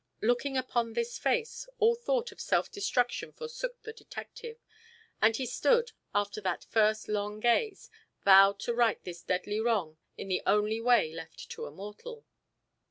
Looking upon this face, all thought of self destruction forsook the detective, and he stood, after that first long gaze, vowed to right this deadly wrong in the only way left to a mortal.